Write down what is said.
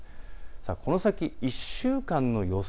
この先１週間の予想